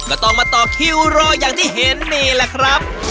ก็ต้องมาต่อคิวรออย่างที่เห็นนี่แหละครับ